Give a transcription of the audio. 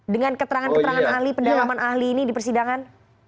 dengan keterangan keterangan ahli pendalaman ahli ini di persidangan